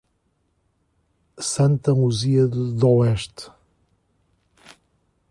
Santa Luzia d'Oeste